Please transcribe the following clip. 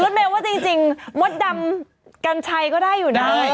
เมลว่าจริงมดดำกัญชัยก็ได้อยู่นะ